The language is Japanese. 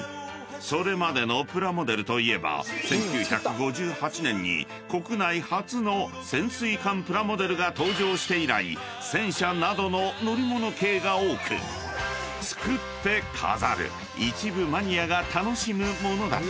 ［それまでのプラモデルといえば１９５８年に国内初の潜水艦プラモデルが登場して以来戦車などの乗り物系が多く作って飾る一部マニアが楽しむものだった］